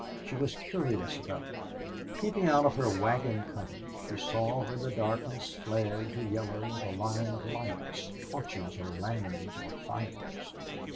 She was curious about it. Peeping out of her wagon cover she saw where the darkness flared to yellow with a line of lights torches or lanterns or fires.